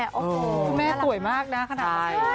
คุณแม่ต่วยมากนะ